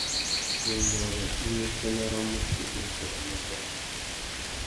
Wunyôrê i mú utênê râ mutu u zú a mú guá.